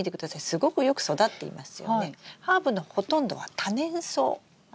すごくよく育っていますよね。